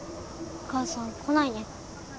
お母さん来ないね。